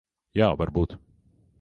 Jā, varbūt.